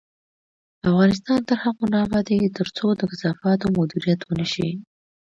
افغانستان تر هغو نه ابادیږي، ترڅو د کثافاتو مدیریت ونشي.